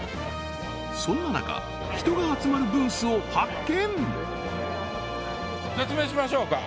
そんな中人が集まるブースを発見